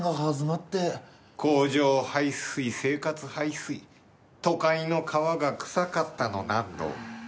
工場排水生活排水都会の川が臭かったのなんの。